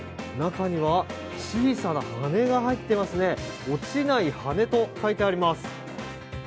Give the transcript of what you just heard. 中には小さな羽根が入っていますね、「落ちない羽根」と書いてあります。